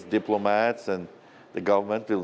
điều đó rất mạnh rất tốt